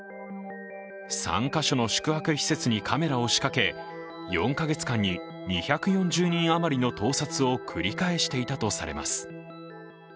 ３か所の宿泊施設にカメラを仕掛け、４カ月間に２４０人余りの盗撮を繰り返していたといいます。